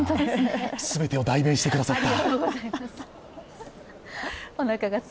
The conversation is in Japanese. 全てを代弁してくださった。